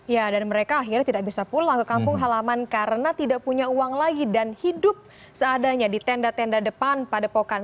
ya dan mereka akhirnya tidak bisa pulang ke kampung halaman karena tidak punya uang lagi dan hidup seadanya di tenda tenda depan padepokan